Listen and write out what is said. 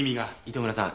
糸村さん